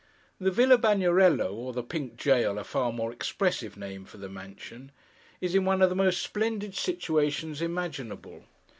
The Villa Bagnerello: or the Pink Jail, a far more expressive name for the mansion: is in one of the most splendid situations imaginable.